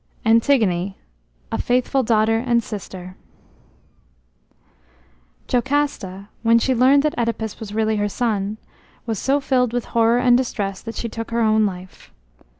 ANTIGONE, A FAITHFUL DAUGHTER AND SISTER Jocasta, when she learned that Œdipus was really her son, was so filled with horror and distress that she took her own life.